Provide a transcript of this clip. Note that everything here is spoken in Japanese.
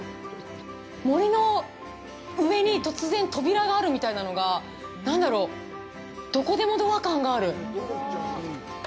森の上に突然扉があるみたいなのが何だろうどこでもドア感がある。